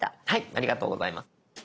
ありがとうございます。